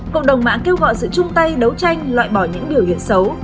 cộng đồng mạng kêu gọi sự chung tay đấu tranh loại bỏ những biểu hiện xấu